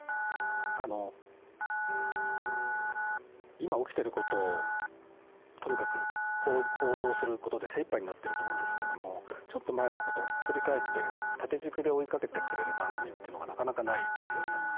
今、起きてることをとにかく報道することで精いっぱいになってると思うんですけどちょっと前のことを振り返って縦軸で追いかけてくれる番組っていうのがなかなかないですよね。